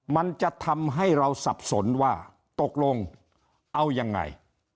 มันจะทำให้เราสับสนว่าตกลงเอายังไง